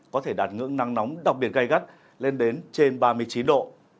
có thể đạt ngưỡng nắng nóng đặc biệt gây gắt lên đến trên ba mươi chín độ